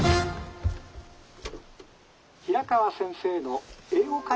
「平川先生の『英語会話』の」。